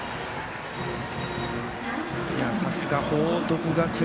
さすが報徳学園。